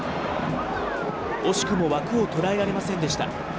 惜しくも枠を捉えられませんでした。